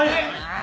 あ！